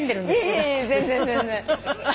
いやいや全然全然。